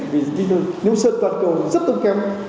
ví dụ nếu sơn toàn cầu rất tương kém